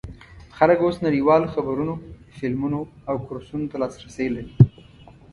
خلک اوس نړیوالو خبرونو، فلمونو او کورسونو ته لاسرسی لري.